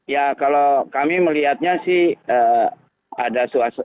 ya kalau kami melihatnya sih